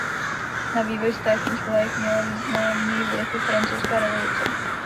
Na vývoj státních vlajek měla významný vliv i francouzská revoluce.